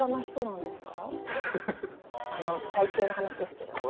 あの体型の話ですけど。